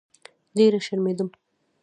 ډېره شرمېدم.